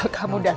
terima kasih sal